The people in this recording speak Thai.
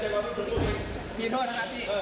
ตรงนั้นลงครับ